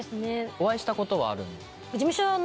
お会いしたことはあるんですか？